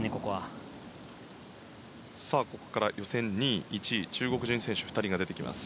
ここから予選１位、２位中国人選手２人が出てきます。